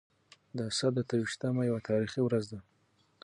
د اسد اته ويشتمه يوه تاريخي ورځ ده.